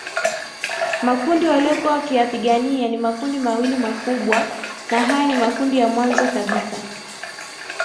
Makundi waliyokuwa wakiyapigania ni makundi mawili makubwa na haya ni makundi ya mwanzo kabisa